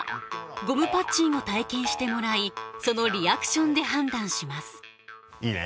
ゴムパッチンを体験してもらいそのリアクションで判断しますいいね？